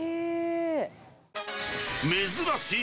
珍しい。